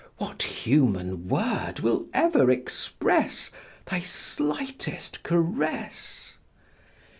What human word will ever express thy slightest caress?